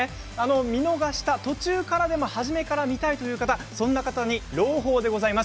見逃した、途中からでも初めから見たいという方に朗報です。